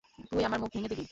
তুই আমার মুখ ভেঙে দিবি?